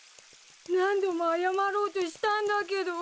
何度も謝ろうとしたんだけど。